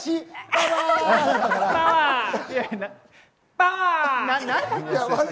パワー！